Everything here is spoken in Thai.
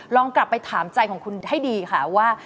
ลองกลับไปถามใจของคุณให้ดีค่ะว่า